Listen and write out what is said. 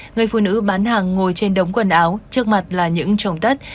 người phụ nữ bán hàng ngồi trên đống quần áo trước mặt là những trồng tất